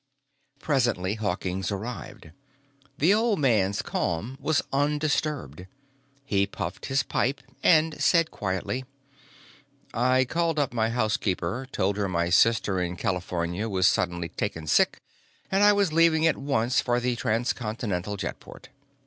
Presently Hawkins arrived. The old man's calm was undisturbed: he puffed his pipe and said quietly, "I called up my housekeeper, told her my sister in California was suddenly taken sick and I was leaving at once for the transcontinental jetport.